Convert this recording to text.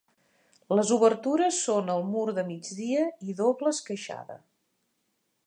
Les obertures són al mur de migdia i doble esqueixada.